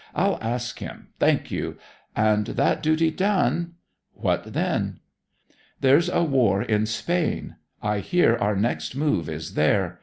I'll ask him. Thank you. And that duty done ' 'What then?' 'There's war in Spain. I hear our next move is there.